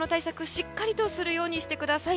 しっかりとするようにしてください。